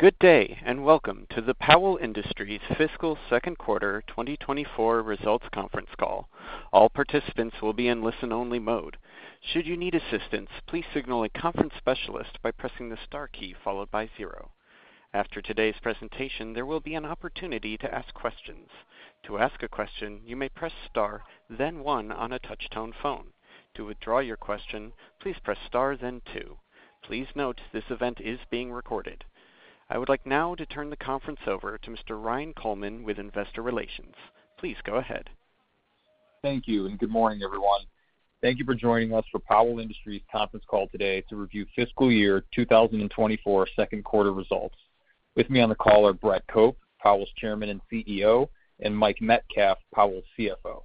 Good day, and welcome to the Powell Industries Fiscal Q2 2024 Results Conference Call. All participants will be in listen-only mode. Should you need assistance, please signal a conference specialist by pressing the star key followed by 0. After today's presentation, there will be an opportunity to ask questions. To ask a question, you may press Star, then 1 on a touch-tone phone. To withdraw your question, please press Star, then 2. Please note, this event is being recorded. I would like now to turn the conference over to Mr. Ryan Coleman with Investor Relations. Please go ahead. Thank you, and good morning, everyone. Thank you for joining us for Powell Industries conference call today to review fiscal year 2024 Q2 results. With me on the call are Brett Cope, Powell's Chairman and CEO, and Mike Metcalf, Powell's CFO.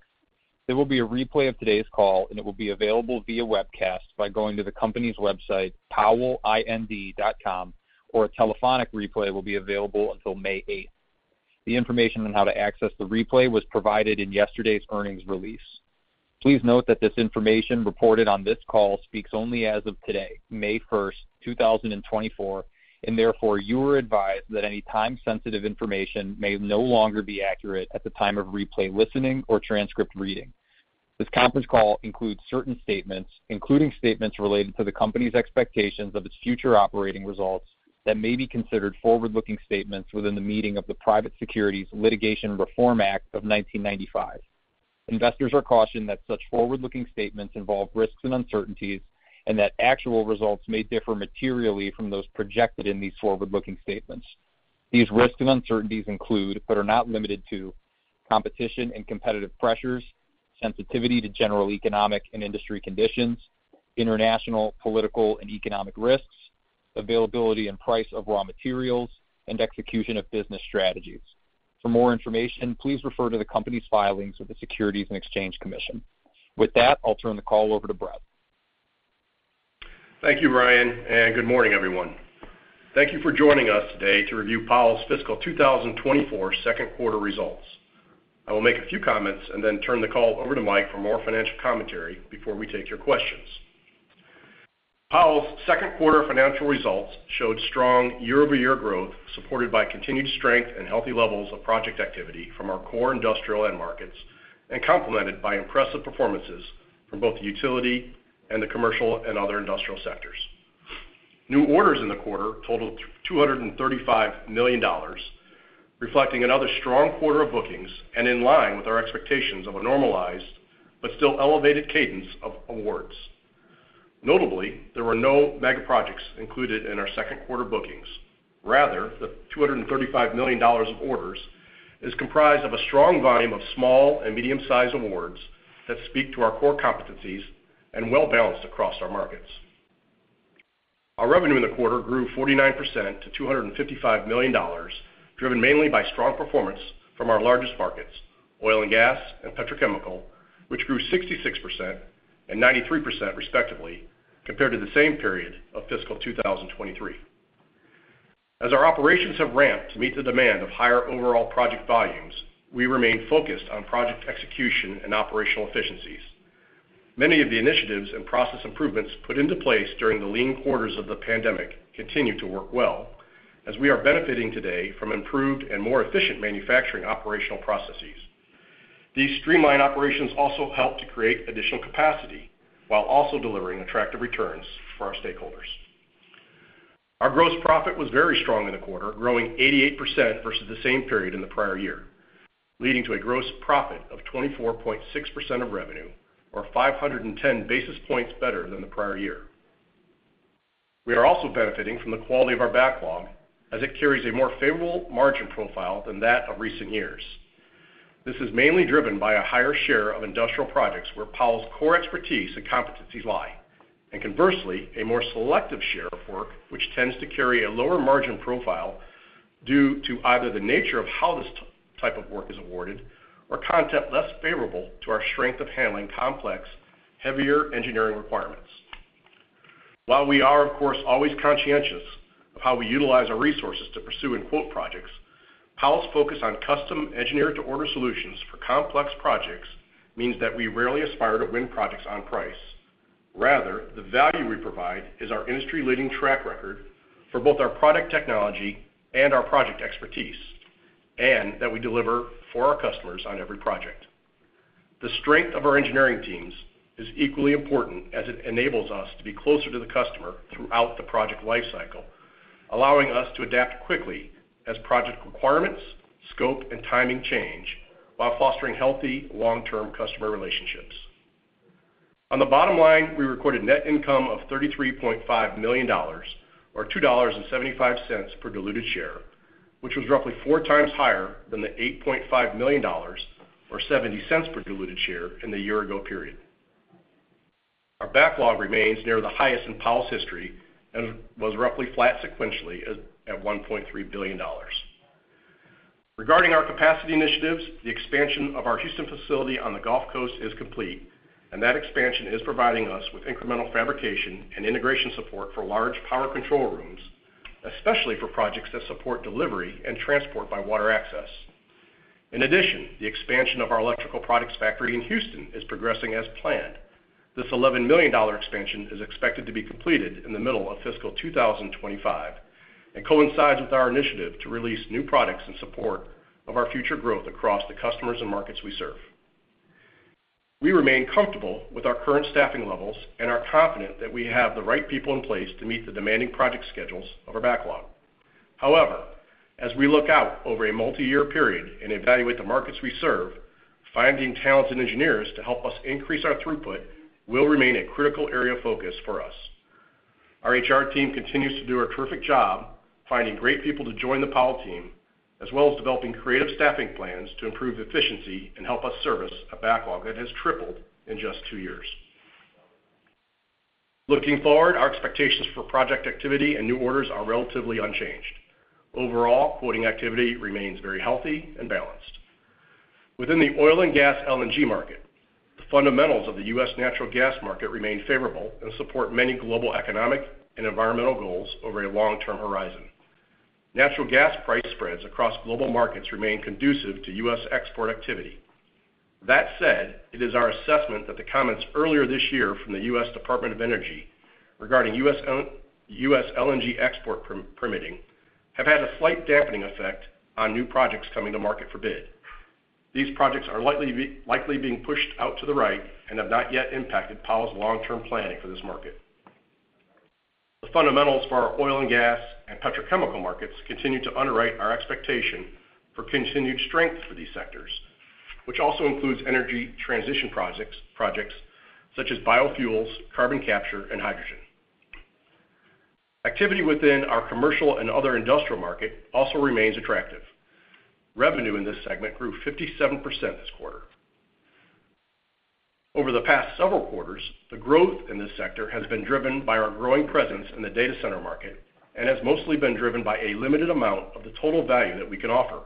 There will be a replay of today's call, and it will be available via webcast by going to the company's website, powellind.com, or a telephonic replay will be available until May 8. The information on how to access the replay was provided in yesterday's earnings release. Please note that this information reported on this call speaks only as of today, May 1, 2024, and therefore, you are advised that any time-sensitive information may no longer be accurate at the time of replay, listening, or transcript reading. This conference call includes certain statements, including statements related to the company's expectations of its future operating results that may be considered forward-looking statements within the meaning of the Private Securities Litigation Reform Act of 1995. Investors are cautioned that such forward-looking statements involve risks and uncertainties, and that actual results may differ materially from those projected in these forward-looking statements. These risks and uncertainties include, but are not limited to, competition and competitive pressures, sensitivity to general economic and industry conditions, international, political, and economic risks, availability and price of raw materials, and execution of business strategies. For more information, please refer to the company's filings with the Securities and Exchange Commission. With that, I'll turn the call over to Brett. Thank you, Ryan, and good morning, everyone. Thank you for joining us today to review Powell's fiscal 2024 Q2 results. I will make a few comments and then turn the call over to Mike for more financial commentary before we take your questions. Powell's Q2 financial results showed strong year-over-year growth, supported by continued strength and healthy levels of project activity from our core industrial end markets, and complemented by impressive performances from both the utility and the commercial and other industrial sectors. New orders in the quarter totaled $235 million, reflecting another strong quarter of bookings and in line with our expectations of a normalized but still elevated cadence of awards. Notably, there were no mega-projects included in our Q2 bookings. Rather, the $235 million of orders is comprised of a strong volume of small and medium-sized awards that speak to our core competencies and well-balanced across our markets. Our revenue in the quarter grew 49% to $255 million, driven mainly by strong performance from our largest markets, oil and gas and petrochemical, which grew 66% and 93%, respectively, compared to the same period of fiscal 2023. As our operations have ramped to meet the demand of higher overall project volumes, we remain focused on project execution and operational efficiencies. Many of the initiatives and process improvements put into place during the lean quarters of the pandemic continue to work well, as we are benefiting today from improved and more efficient manufacturing operational processes. These streamlined operations also help to create additional capacity while also delivering attractive returns for our stakeholders. Our gross profit was very strong in the quarter, growing 88% versus the same period in the prior year, leading to a gross profit of 24.6% of revenue, or 510 basis points better than the prior year. We are also benefiting from the quality of our backlog as it carries a more favorable margin profile than that of recent years. This is mainly driven by a higher share of industrial projects where Powell's core expertise and competencies lie, and conversely, a more selective share of work, which tends to carry a lower margin profile due to either the nature of how this type of work is awarded or content less favorable to our strength of handling complex, heavier engineering requirements. While we are, of course, always conscientious of how we utilize our resources to pursue and quote projects, Powell's focus on custom engineered-to-order solutions for complex projects means that we rarely aspire to win projects on price. Rather, the value we provide is our industry-leading track record for both our product technology and our project expertise, and that we deliver for our customers on every project. The strength of our engineering teams is equally important as it enables us to be closer to the customer throughout the project lifecycle, allowing us to adapt quickly as project requirements, scope, and timing change, while fostering healthy long-term customer relationships. On the bottom line, we recorded net income of $33.5 million, or $2.75 per diluted share, which was roughly four times higher than the $8.5 million, or $0.70 per diluted share in the year ago period. Our backlog remains near the highest in Powell's history and was roughly flat sequentially at $1.3 billion. Regarding our capacity initiatives, the expansion of our Houston facility on the Gulf Coast is complete, and that expansion is providing us with incremental fabrication and integration support for large power control rooms, especially for projects that support delivery and transport by water access. In addition, the expansion of our electrical products factory in Houston is progressing as planned. This $11 million expansion is expected to be completed in the middle of fiscal 2025, and coincides with our initiative to release new products in support of our future growth across the customers and markets we serve. We remain comfortable with our current staffing levels and are confident that we have the right people in place to meet the demanding project schedules of our backlog. However, as we look out over a multi-year period and evaluate the markets we serve, finding talented engineers to help us increase our throughput will remain a critical area of focus for us. Our HR team continues to do a terrific job finding great people to join the Powell team, as well as developing creative staffing plans to improve efficiency and help us service a backlog that has tripled in just two years. Looking forward, our expectations for project activity and new orders are relatively unchanged. Overall, quoting activity remains very healthy and balanced. Within the oil and gas LNG market, the fundamentals of the U.S. natural gas market remain favorable and support many global economic and environmental goals over a long-term horizon. Natural gas price spreads across global markets remain conducive to U.S. export activity. That said, it is our assessment that the comments earlier this year from the U.S. Department of Energy regarding U.S. LNG export permitting have had a slight dampening effect on new projects coming to market for bid. These projects are likely being pushed out to the right and have not yet impacted Powell's long-term planning for this market. The fundamentals for our oil and gas and petrochemical markets continue to underwrite our expectation for continued strength for these sectors, which also includes energy transition projects, projects such as biofuels, carbon capture, and hydrogen. Activity within our commercial and other industrial market also remains attractive. Revenue in this segment grew 57% this quarter. Over the past several quarters, the growth in this sector has been driven by our growing presence in the data center market, and has mostly been driven by a limited amount of the total value that we can offer.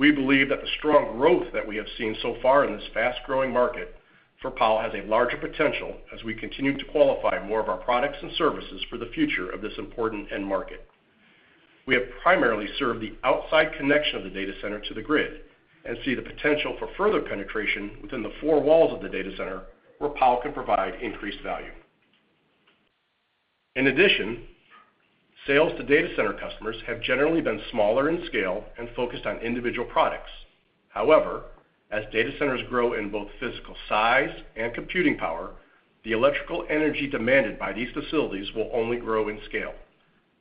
We believe that the strong growth that we have seen so far in this fast-growing market for Powell has a larger potential as we continue to qualify more of our products and services for the future of this important end market. We have primarily served the outside connection of the data center to the grid, and see the potential for further penetration within the four walls of the data center, where Powell can provide increased value. In addition, sales to data center customers have generally been smaller in scale and focused on individual products. However, as data centers grow in both physical size and computing power, the electrical energy demanded by these facilities will only grow in scale.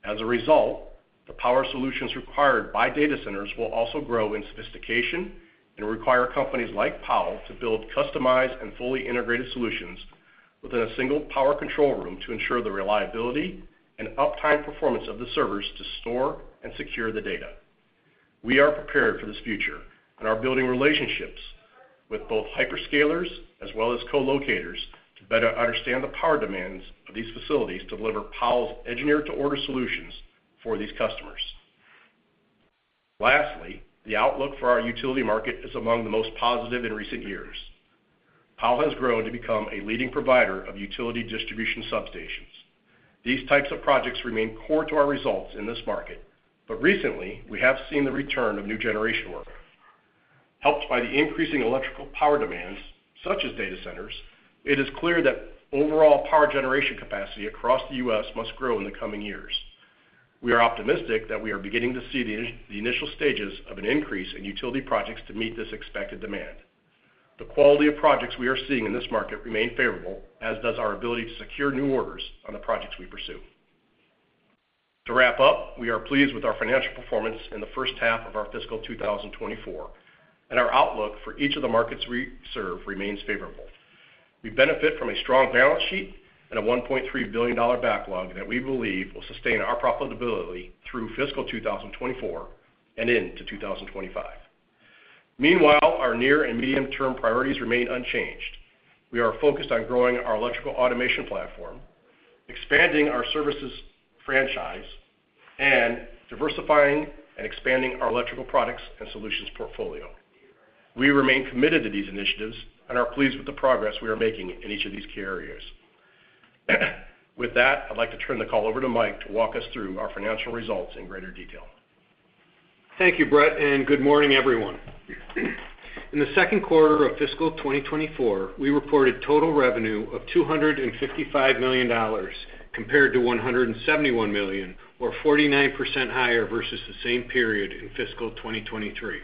As a result, the power solutions required by data centers will also grow in sophistication and require companies like Powell to build customized and fully integrated solutions within a single power control room to ensure the reliability and uptime performance of the servers to store and secure the data. We are prepared for this future and are building relationships with both hyperscalers as well as co-locators to better understand the power demands of these facilities to deliver Powell's engineered-to-order solutions for these customers. Lastly, the outlook for our utility market is among the most positive in recent years. Powell has grown to become a leading provider of utility distribution substations. These types of projects remain core to our results in this market, but recently, we have seen the return of new generation work. Helped by the increasing electrical power demands, such as data centers, it is clear that overall power generation capacity across the U.S. must grow in the coming years. We are optimistic that we are beginning to see the initial stages of an increase in utility projects to meet this expected demand. The quality of projects we are seeing in this market remain favorable, as does our ability to secure new orders on the projects we pursue. To wrap up, we are pleased with our financial performance in the first half of our fiscal 2024, and our outlook for each of the markets we serve remains favorable. We benefit from a strong balance sheet and a $1.3 billion backlog that we believe will sustain our profitability through fiscal 2024 and into 2025. Meanwhile, our near and medium-term priorities remain unchanged. We are focused on growing our electrical automation platform, expanding our services franchise, and diversifying and expanding our electrical products and solutions portfolio. We remain committed to these initiatives and are pleased with the progress we are making in each of these key areas. With that, I'd like to turn the call over to Mike to walk us through our financial results in greater detail. Thank you, Brett, and good morning, everyone. In the Q2 of fiscal 2024, we reported total revenue of $255 million, compared to $171 million, or 49% higher versus the same period in fiscal 2023.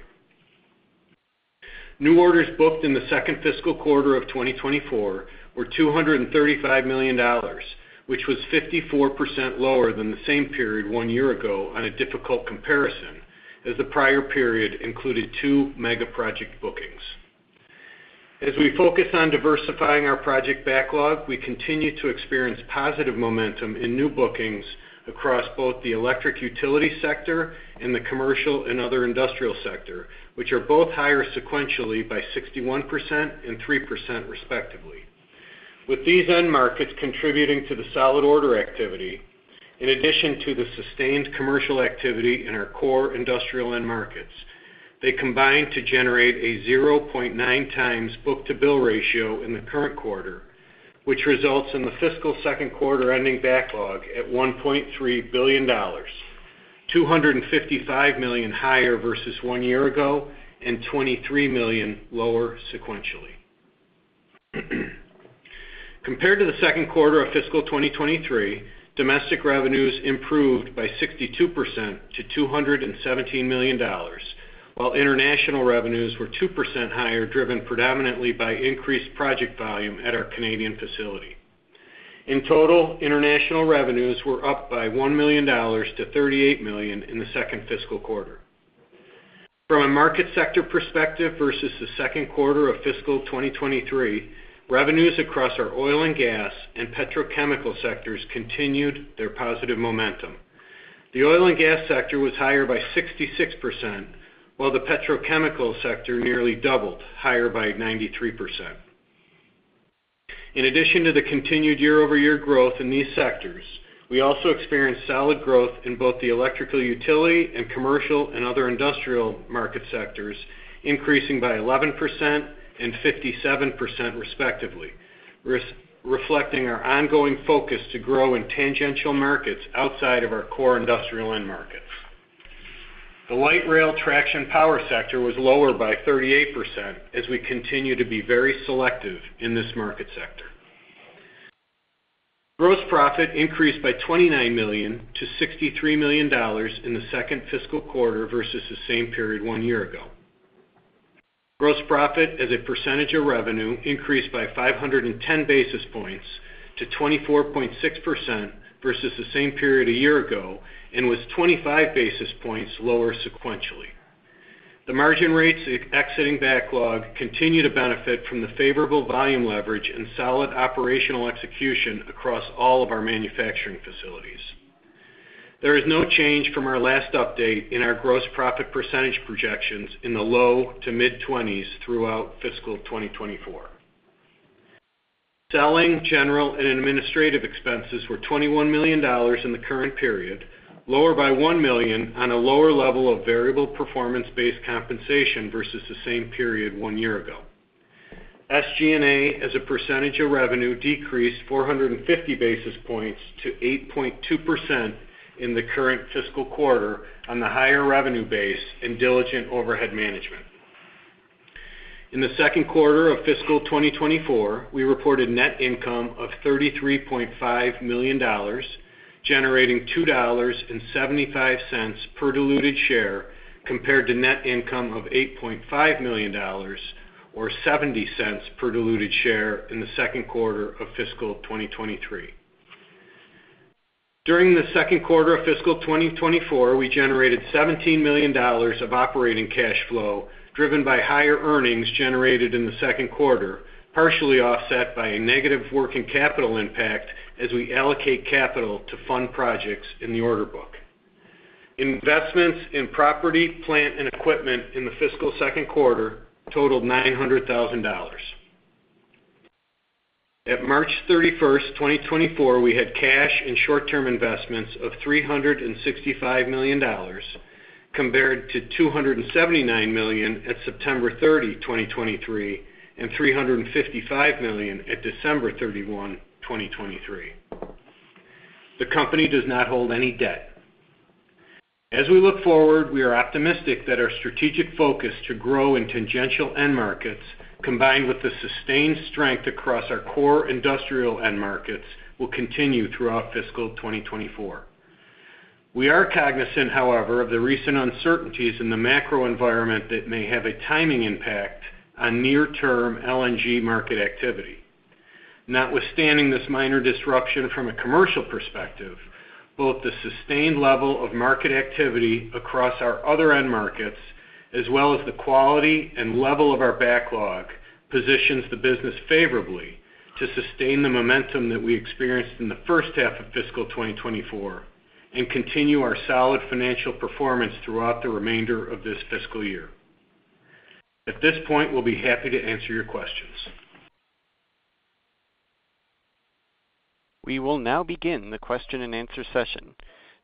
New orders booked in the second fiscal quarter of 2024 were $235 million, which was 54% lower than the same period one year ago on a difficult comparison, as the prior period included two mega-project bookings. As we focus on diversifying our project backlog, we continue to experience positive momentum in new bookings across both the electric utility sector and the commercial and other industrial sector, which are both higher sequentially by 61% and 3% respectively. With these end markets contributing to the solid order activity, in addition to the sustained commercial activity in our core industrial end markets, they combined to generate a 0.9 times book-to-bill ratio in the current quarter, which results in the fiscal Q2 ending backlog at $1.3 billion, $255 million higher versus one year ago, and $23 million lower sequentially. Compared to the Q2 of fiscal 2023, domestic revenues improved by 62% to $217 million, while international revenues were 2% higher, driven predominantly by increased project volume at our Canadian facility. In total, international revenues were up by $1 million to $38 million in the second fiscal quarter. From a market sector perspective versus the Q2 of fiscal 2023, revenues across our oil and gas and petrochemical sectors continued their positive momentum. The oil and gas sector was higher by 66%, while the petrochemical sector nearly doubled, higher by 93%. In addition to the continued year-over-year growth in these sectors, we also experienced solid growth in both the electrical utility and commercial and other industrial market sectors, increasing by 11% and 57%, respectively, reflecting our ongoing focus to grow in tangential markets outside of our core industrial end markets. The light rail traction power sector was lower by 38%, as we continue to be very selective in this market sector. Gross profit increased by $29 million to $63 million in the second fiscal quarter versus the same period one year ago. Gross profit as a percentage of revenue increased by 510 basis points to 24.6% versus the same period a year ago, and was 25 basis points lower sequentially. The margin rates exiting backlog continue to benefit from the favorable volume leverage and solid operational execution across all of our manufacturing facilities. There is no change from our last update in our gross profit percentage projections in the low- to mid-20s throughout fiscal 2024. Selling, general, and administrative expenses were $21 million in the current period, lower by $1 million on a lower level of variable performance-based compensation versus the same period one year ago. SG&A, as a percentage of revenue, decreased 450 basis points to 8.2% in the current fiscal quarter on the higher revenue base and diligent overhead management. In the Q2 of fiscal 2024, we reported net income of $33.5 million, generating $2.75 per diluted share, compared to net income of $8.5 million or $0.70 per diluted share in the Q2 of fiscal 2023. During the Q2 of fiscal 2024, we generated $17 million of operating cash flow, driven by higher earnings generated in the Q2, partially offset by a negative working capital impact as we allocate capital to fund projects in the order book. Investments in property, plant, and equipment in the fiscal Q2 totaled $900,000. At March 31, 2024, we had cash and short-term investments of $365 million, compared to $279 million at September 30, 2023, and $355 million at December 31, 2023. The company does not hold any debt. As we look forward, we are optimistic that our strategic focus to grow in tangential end markets, combined with the sustained strength across our core industrial end markets, will continue throughout fiscal 2024. We are cognizant, however, of the recent uncertainties in the macro environment that may have a timing impact on near-term LNG market activity. Notwithstanding this minor disruption from a commercial perspective, both the sustained level of market activity across our other end markets, as well as the quality and level of our backlog, positions the business favorably to sustain the momentum that we experienced in the first half of fiscal 2024 and continue our solid financial performance throughout the remainder of this fiscal year. At this point, we'll be happy to answer your questions. We will now begin the question-and-answer session.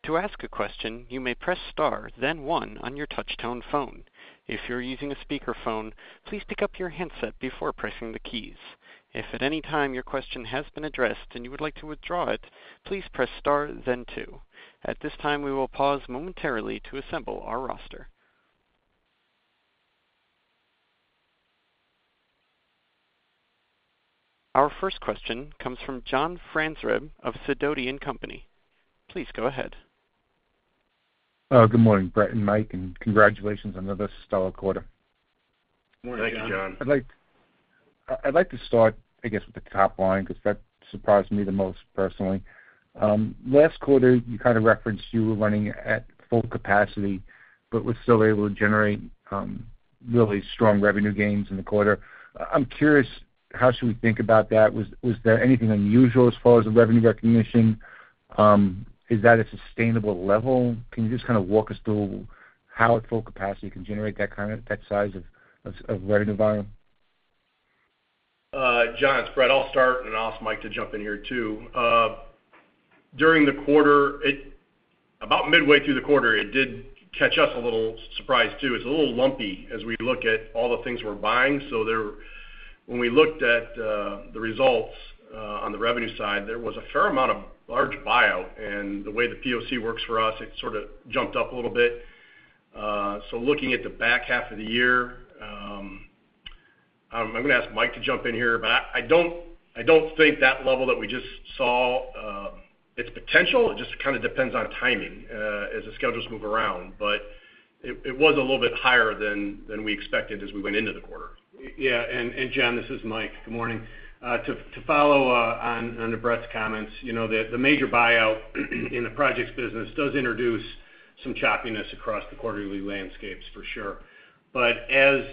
To ask a question, you may press star, then one on your touch-tone phone. If you're using a speakerphone, please pick up your handset before pressing the keys. If at any time your question has been addressed and you would like to withdraw it, please press star then two. At this time, we will pause momentarily to assemble our roster. Our first question comes from John Franzreb of Sidoti & Company. Please go ahead. Good morning, Brett and Mike, and congratulations on another stellar quarter. Good morning, John. Thank you, John. I'd like to start, I guess, with the top line, because that surprised me the most personally. Last quarter, you kind of referenced you were running at full capacity, but was still able to generate really strong revenue gains in the quarter. I'm curious, how should we think about that? Was there anything unusual as far as the revenue recognition? Is that a sustainable level? Can you just kind of walk us through how at full capacity you can generate that kind of that size of revenue volume? John, it's Brett. I'll start, and I'll ask Mike to jump in here, too.... during the quarter, it about midway through the quarter, it did catch us a little surprised, too. It's a little lumpy as we look at all the things we're buying. So there, when we looked at the results on the revenue side, there was a fair amount of large buyout, and the way the POC works for us, it sort of jumped up a little bit. So looking at the back half of the year, I'm gonna ask Mike to jump in here, but I don't think that level that we just saw, it's potential, it just kind of depends on timing as the schedules move around. But it was a little bit higher than we expected as we went into the quarter. Yeah, and John, this is Mike. Good morning. To follow on to Brett's comments, you know that the major buyout in the projects business does introduce some choppiness across the quarterly landscapes, for sure. But as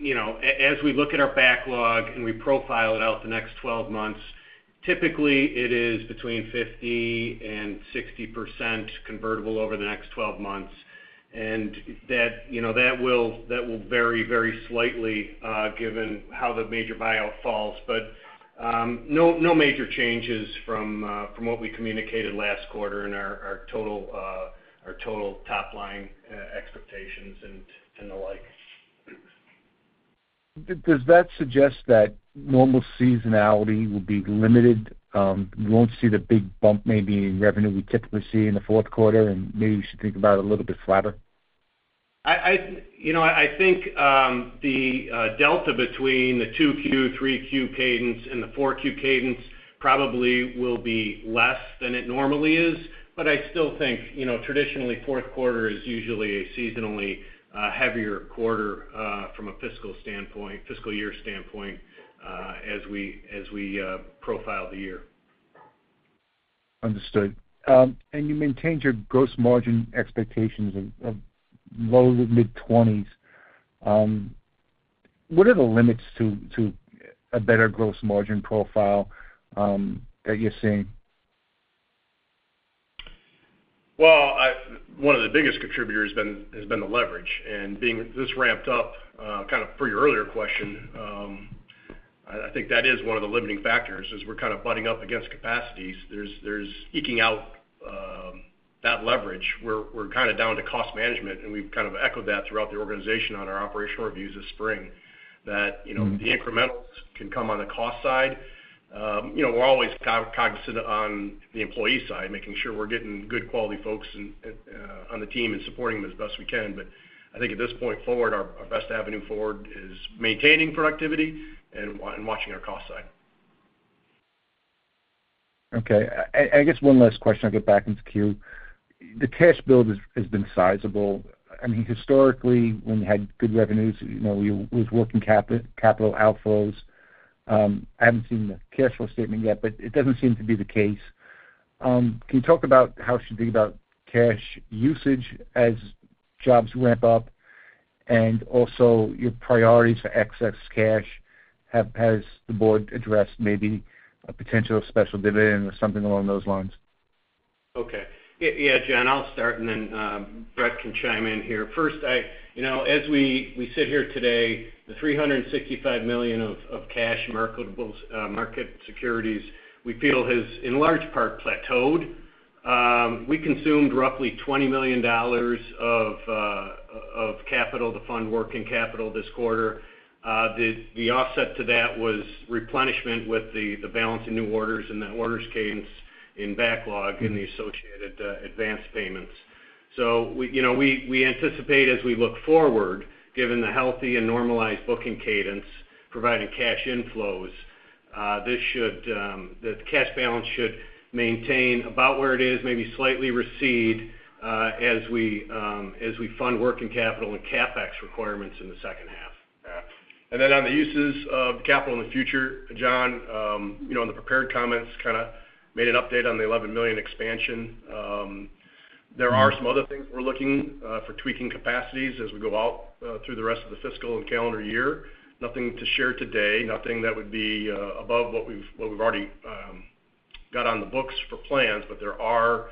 you know, as we look at our backlog and we profile it out the next 12 months, typically, it is between 50%-60% convertible over the next 12 months. And that, you know, that will vary very slightly, given how the major buyout falls. But no major changes from what we communicated last quarter in our total top line expectations and the like. Does that suggest that normal seasonality will be limited? We won't see the big bump maybe in revenue we typically see in the Q4, and maybe we should think about it a little bit flatter? You know, I think the delta between the Q3 to Q4 cadence and the Q4 cadence probably will be less than it normally is. But I still think, you know, traditionally, Q4 is usually a seasonally heavier quarter from a fiscal standpoint, fiscal year standpoint, as we profile the year. Understood. You maintained your gross margin expectations of low- to mid-20s. What are the limits to a better gross margin profile that you're seeing? Well, one of the biggest contributors has been the leverage, and being this ramped up, kind of for your earlier question, I think that is one of the limiting factors, is we're kind of butting up against capacities. There's eking out that leverage. We're kind of down to cost management, and we've kind of echoed that throughout the organization on our operational reviews this spring, that, you know- Mm-hmm. The incrementals can come on the cost side. You know, we're always cognizant on the employee side, making sure we're getting good quality folks and on the team and supporting them as best we can. But I think at this point forward, our, our best avenue forward is maintaining productivity and watching our cost side. Okay. I guess one last question, I'll get back into queue. The cash build has been sizable. I mean, historically, when you had good revenues, you know, you was working capital outflows. I haven't seen the cash flow statement yet, but it doesn't seem to be the case. Can you talk about how you should think about cash usage as jobs ramp up, and also your priorities for excess cash? Has the board addressed maybe a potential special dividend or something along those lines? Okay. Yeah, yeah, John, I'll start, and then, Brett can chime in here. First, you know, as we sit here today, the 365 million of cash marketables, market securities, we feel has, in large part, plateaued. We consumed roughly $20 million of capital to fund working capital this quarter. The offset to that was replenishment with the balance in new orders, and that orders cadence in backlog and the associated, advanced payments. So we, you know, we anticipate as we look forward, given the healthy and normalized booking cadence, providing cash inflows, this should, the cash balance should maintain about where it is, maybe slightly recede, as we fund working capital and CapEx requirements in the second half. Yeah. And then on the uses of capital in the future, John, you know, in the prepared comments, kind of made an update on the $11 million expansion. There are some other things we're looking for tweaking capacities as we go out through the rest of the fiscal and calendar year. Nothing to share today, nothing that would be above what we've, what we've already got on the books for plans, but there are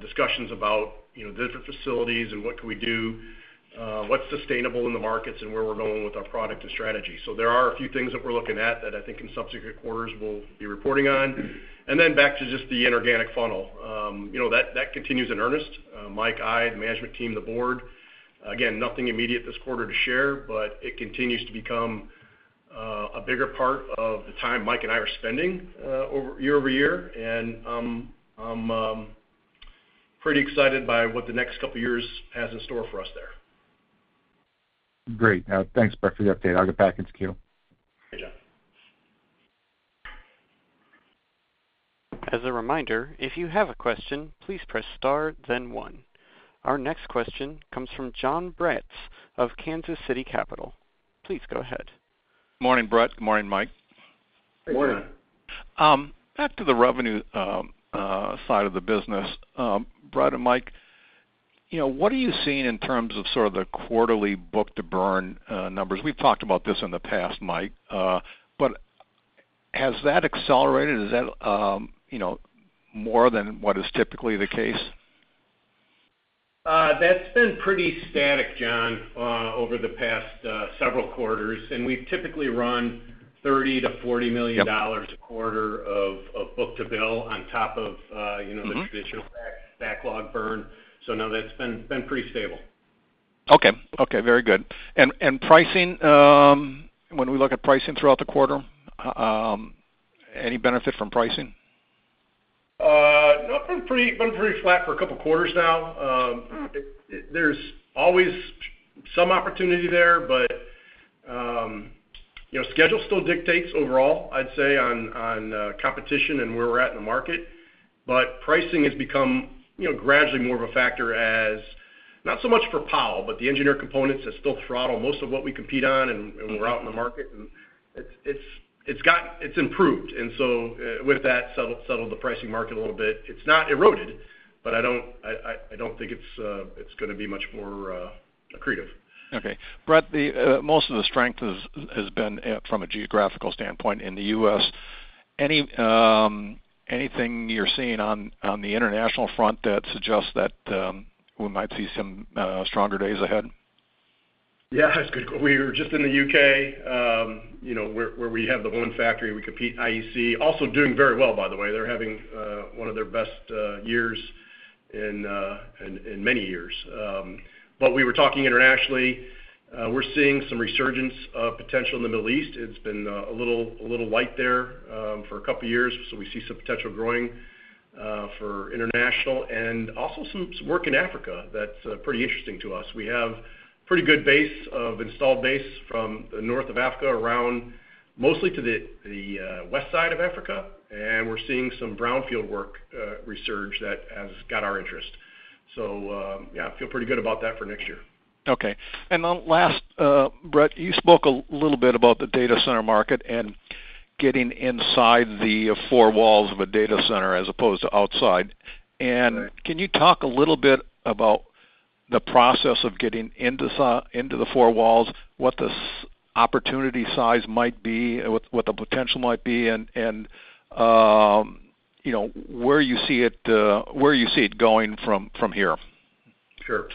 discussions about, you know, different facilities and what can we do, what's sustainable in the markets, and where we're going with our product and strategy. So there are a few things that we're looking at, that I think in subsequent quarters we'll be reporting on. And then back to just the inorganic funnel. You know, that, that continues in earnest. Mike, the management team, the board, again, nothing immediate this quarter to share, but it continues to become a bigger part of the time Mike and I are spending over year-over-year. And I'm pretty excited by what the next couple of years has in store for us there. Great. Thanks, Brett, for the update. I'll get back into queue. Thanks, John. As a reminder, if you have a question, please press Star, then One. Our next question comes from Jon Braatz of Kansas City Capital. Please go ahead. Morning, Brett. Good morning, Mike. Good morning. Morning. Back to the revenue side of the business. Brett and Mike, you know, what are you seeing in terms of sort of the quarterly book-to-bill numbers? We've talked about this in the past, Mike, but has that accelerated? Is that, you know, more than what is typically the case?... That's been pretty static, John, over the past several quarters, and we've typically run $30 million-$40 million- Yep. a quarter of book-to-bill on top of, you know- Mm-hmm. The traditional backlog burn. So no, that's been pretty stable. Okay. Okay, very good. And pricing, when we look at pricing throughout the quarter, any benefit from pricing? No, been pretty flat for a couple quarters now. There's always some opportunity there, but, you know, schedule still dictates overall, I'd say, on competition and where we're at in the market. But pricing has become, you know, gradually more of a factor as, not so much for Powell, but the engineer components that still throttle most of what we compete on- Mm-hmm. and we're out in the market, and it's gotten. It's improved, and so with that settled the pricing market a little bit. It's not eroded, but I don't think it's gonna be much more accretive. Okay. Brett, the most of the strength has been from a geographical standpoint in the U.S. Anything you're seeing on the international front that suggests that we might see some stronger days ahead? Yeah, we were just in the UK, you know, where we have the one factory, we compete, IEC, also doing very well, by the way. They're having one of their best years in many years. But we were talking internationally. We're seeing some resurgence of potential in the Middle East. It's been a little, a little light there for a couple of years, so we see some potential growing for international and also some, some work in Africa that's pretty interesting to us. We have pretty good base of installed base from the north of Africa around mostly to the west side of Africa, and we're seeing some brownfield work resurge that has got our interest. So, yeah, I feel pretty good about that for next year. Okay. And then last, Brett, you spoke a little bit about the data center market and getting inside the four walls of a data center as opposed to outside. Right. Can you talk a little bit about the process of getting into the four walls, what this opportunity size might be, what the potential might be, and, you know, where you see it going from here? Sure.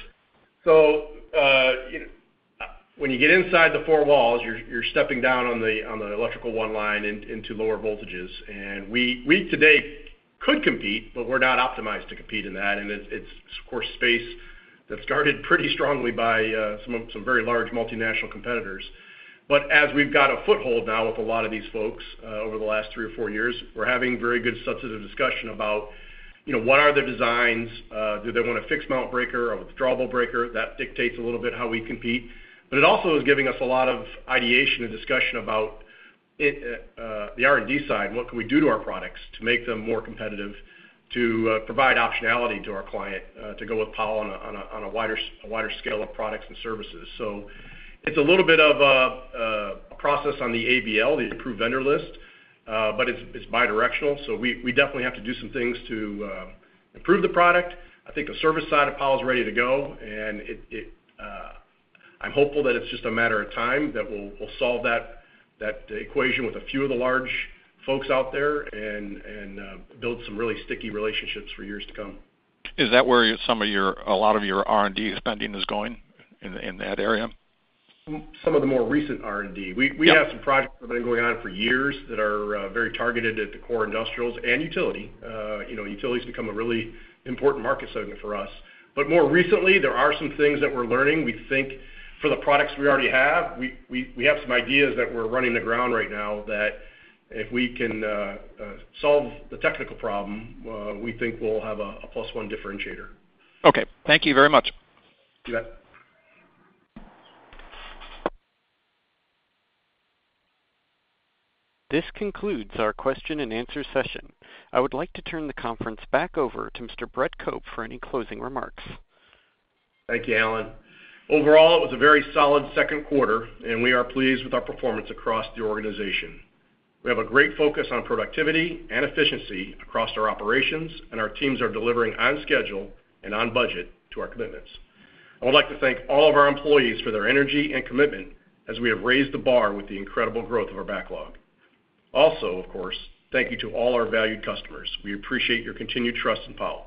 So, when you get inside the four walls, you're stepping down on the electrical one line into lower voltages. And we today could compete, but we're not optimized to compete in that, and it's of course space that's guarded pretty strongly by some very large multinational competitors. But as we've got a foothold now with a lot of these folks over the last three or four years, we're having very good substantive discussion about, you know, what are the designs? Do they want a fixed mount breaker or a withdrawable breaker? That dictates a little bit how we compete. But it also is giving us a lot of ideation and discussion about the R&D side, and what can we do to our products to make them more competitive, to provide optionality to our client, to go with Powell on a wider scale of products and services. So it's a little bit of a process on the AVL, the Approved Vendor List, but it's bidirectional, so we definitely have to do some things to improve the product. I think the service side of Powell is ready to go, and it... I'm hopeful that it's just a matter of time that we'll solve that equation with a few of the large folks out there and build some really sticky relationships for years to come. Is that where some of your, a lot of your R&D spending is going, in, in that area? Some of the more recent R&D. Yep. We, we have some projects that have been going on for years that are very targeted at the core industrials and utility. You know, utility's become a really important market segment for us. But more recently, there are some things that we're learning. We think for the products we already have, we have some ideas that we're running to ground right now, that if we can solve the technical problem, we think we'll have a plus one differentiator. Okay. Thank you very much. You bet. This concludes our question and answer session. I would like to turn the conference back over to Mr. Brett Cope for any closing remarks. Thank you, Alan. Overall, it was a very solid Q2, and we are pleased with our performance across the organization. We have a great focus on productivity and efficiency across our operations, and our teams are delivering on schedule and on budget to our commitments. I would like to thank all of our employees for their energy and commitment as we have raised the bar with the incredible growth of our backlog. Also, of course, thank you to all our valued customers. We appreciate your continued trust in Powell.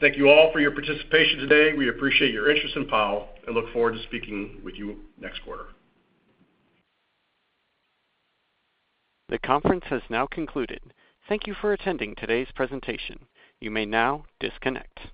Thank you all for your participation today. We appreciate your interest in Powell, and look forward to speaking with you next quarter. The conference has now concluded. Thank you for attending today's presentation. You may now disconnect.